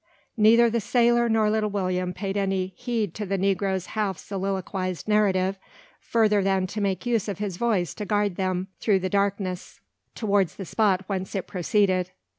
Neither the sailor nor Little William paid any heed to the negro's half soliloquised narrative, further than to make use of his voice to guide them through the darkness towards the spot whence it proceeded.